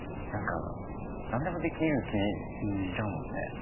何でもできる気しちゃうもんね